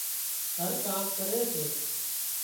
هر ڪام ڪري سي